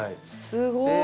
すごい！